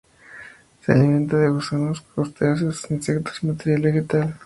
Se alimenta de gusanos, crustáceos, insectos y materia vegetal.